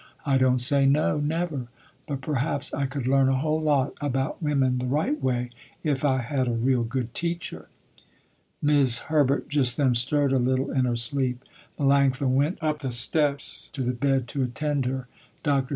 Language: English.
I don't say, no, never, but perhaps I could learn a whole lot about women the right way, if I had a real good teacher." 'Mis' Herbert just then stirred a little in her sleep. Melanctha went up the steps to the bed to attend her. Dr.